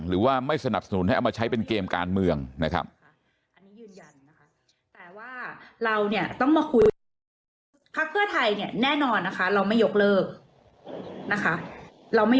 หรือว่าไม่สนับสนุนให้เอามาใช้เป็นเกมการเมืองนะครับ